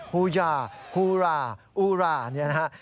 ฮูย่าฮูล่าอูล่าเนี่ยนะครับ